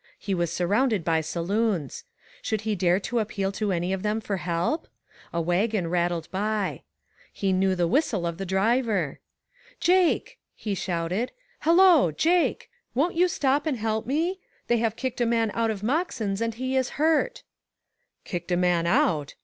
He was surrounded by saloons. Should he dare to appeal to any of them for help? A wagon rattled by. He knew the whistle of the driver. " Jake I " he shouted ;" hello, Jake ! won't you stop and help me? They have kicked a m,an out of Moxen's, and he is hurt." " Kicked a man out